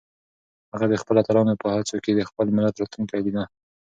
هغه د خپلو اتلانو په هڅو کې د خپل ملت راتلونکی لیده.